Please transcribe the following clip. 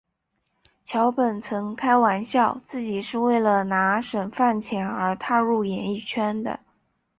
桥本曾开玩笑自己是为了拿省饭钱而踏入演艺圈的。